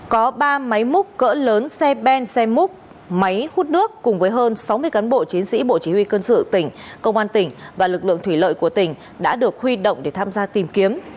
có ba máy múc cỡ lớn xe ben xe múc máy hút nước cùng với hơn sáu mươi cán bộ chiến sĩ bộ chỉ huy quân sự tỉnh công an tỉnh và lực lượng thủy lợi của tỉnh đã được huy động để tham gia tìm kiếm